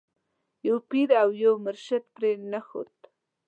یو پیر او مرشد پرې نه ښود.